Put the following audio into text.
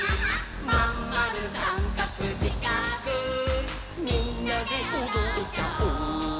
「まんまるさんかくしかくみんなでおどっちゃおう」